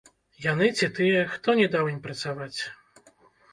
Яны ці тыя, хто не даў ім працаваць?